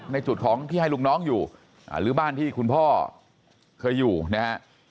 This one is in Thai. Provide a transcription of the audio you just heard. ในจุดของที่ให้ลูกน้องอยู่หรือบ้านที่คุณพ่อเคยอยู่นะฮะ